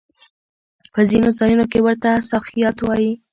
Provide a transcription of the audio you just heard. په ځينو ځايونو کې ورته ساختيات وايي.